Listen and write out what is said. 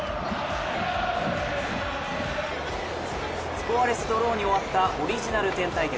スコアレスドローに終わったオリジナル１０対決。